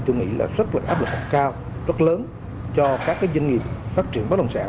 tôi nghĩ rất là áp lực cao rất lớn cho các doanh nghiệp phát triển bất động sản